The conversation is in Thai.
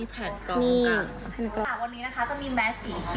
ชั้นตัวนี้สำคัญมากนะคะมีแผ่นกล้องตรงกลาง